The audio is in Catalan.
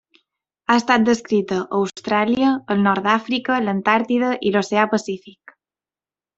Ha estat descrita a Austràlia, el nord d'Àfrica, l'Antàrtida i l'oceà Pacífic.